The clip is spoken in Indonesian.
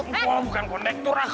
enggak bukan kondektur lah